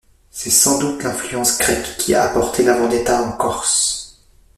C'est sans doute l'influence grecque qui a apporté la vendetta en Corse.